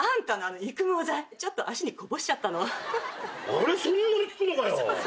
あれそんなに効くのかよ？